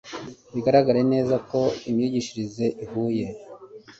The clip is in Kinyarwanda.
bigaragare neza ko imyigishirize ihuye